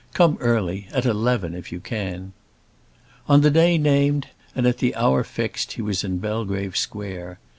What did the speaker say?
Come early, at eleven, if you can." On the day named and at the hour fixed he was in Belgrave Square.